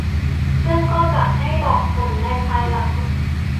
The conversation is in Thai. ซึ่งก็จะให้ดอกผลในภายหลัง